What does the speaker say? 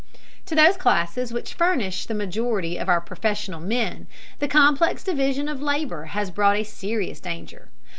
To those classes which furnish the majority of our professional men, the complex division of labor has brought a serious danger.